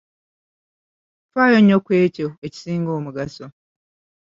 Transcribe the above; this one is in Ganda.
Ffaayo nnyo ku ekyo ekisinga omugaso.